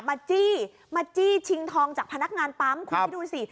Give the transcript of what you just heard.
จี้มาจี้ชิงทองจากพนักงานปั๊มคุณคิดดูสิ